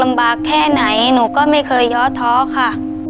สำบากแท้ไหนหนูก็ไม่เคยย้อเทาะค่ะ